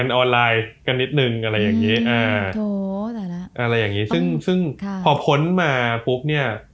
อะไรอย่างนี้ซึ่งพอพ้นมาปุ๊บเนี่ย